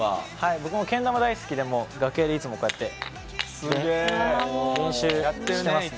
僕もけん玉大好きで楽屋でいつも練習してます。